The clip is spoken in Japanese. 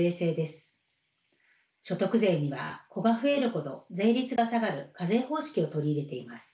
所得税には子が増えるほど税率が下がる課税方式を取り入れています。